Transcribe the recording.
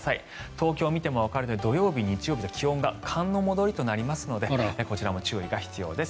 東京を見てもわかるように土曜日、日曜日と気温が寒の戻りとなりますのでこちらも注意が必要です。